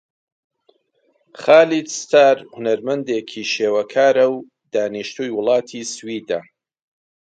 خالید ستار هونەرمەندێکی شێوەکارە و دانیشتووی وڵاتی سویدە.